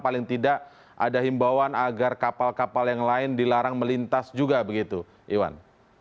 paling tidak ada himbauan agar kapal kapal yang lain dilarang melintas juga begitu iwan